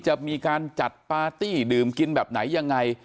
จะมีการจัดปาร์ตี้ดื่มกินแบบไหนยังไง